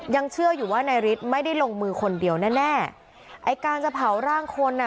ยังเชื่ออยู่ว่านายฤทธิ์ไม่ได้ลงมือคนเดียวแน่แน่ไอ้การจะเผาร่างคนอ่ะ